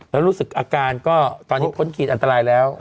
แล้วรู้สึกอาการก็ตอนนี้พ้นขีดอันตรายแล้ว